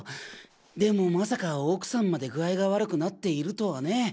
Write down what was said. でもまさか奥さんまで具合が悪くなっているとはね。